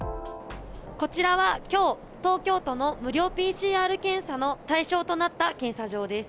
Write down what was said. こちらはきょう、東京都の無料ＰＣＲ検査の対象となった検査場です。